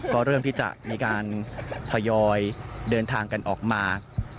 ก็เริ่มที่จะมีการทยอยเดินทางกันออกมา